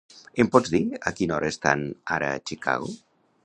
Em pots dir a quina hora estan ara a Chicago?